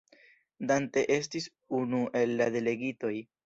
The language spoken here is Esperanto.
Dante estis unu el la delegitoj.